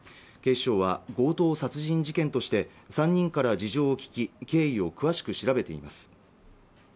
警視庁は強盗殺人事件として３人から事情を聴き経緯を詳しく調べています